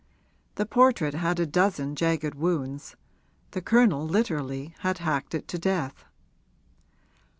The portrait had a dozen jagged wounds the Colonel literally had hacked it to death.